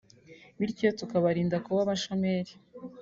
bityo tukabarinda kuba abashomeri”